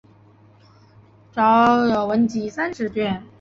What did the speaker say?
着有文集三十卷。